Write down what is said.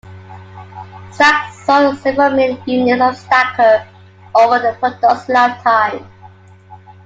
Stac sold several million units of Stacker over the product's lifetime.